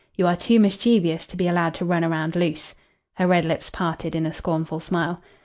You are too mischievous to be allowed to run around loose." Her red lips parted in a scornful smile.